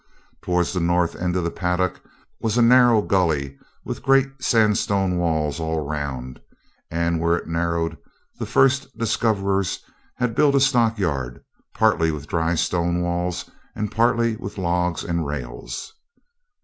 Towards the north end of the paddock was a narrow gully with great sandstone walls all round, and where it narrowed the first discoverers had built a stockyard, partly with dry stone walls and partly with logs and rails.